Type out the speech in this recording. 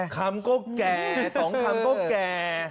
คำก็แก่๒คำก็แก่